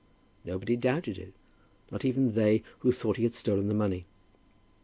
Nobody doubted it; not even they who thought he had stolen the money.